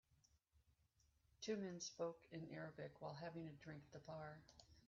Two men spoke in Arabic while having a drink at the bar.